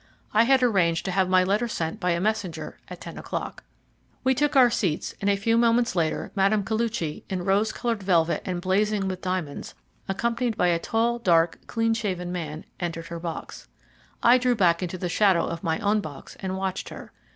I had arranged to have my letter sent by a messenger at ten o'clock. We took our seats, and a few moments later Mme. Koluchy, in rose coloured velvet and blazing with diamonds, accompanied by a tall, dark, clean shaven man, entered her box. I drew back into the shadow of my own box and watched her.